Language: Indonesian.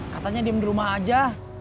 katanya diam di rumah saja